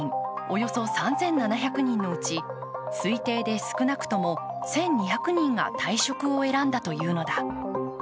およそ３７００人のうち推定で少なくとも１２００人が退職を選んだというのだ。